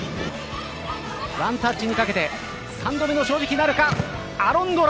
ワンタッチにかけて３度目の正直なるかアロンドラ。